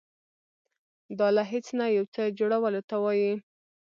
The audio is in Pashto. دا له هیڅ نه یو څه جوړولو ته وایي.